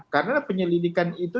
karena penyelidikan itu